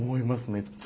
めっちゃ。